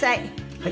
はい。